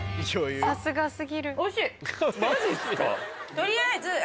取りあえず。